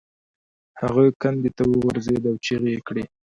هغه کندې ته وغورځید او چیغې یې کړې.